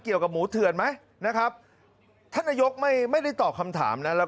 เกี่ยวกับหมูเถื่อนไหมนะครับท่านนายกไม่ไม่ได้ตอบคำถามนะแล้ว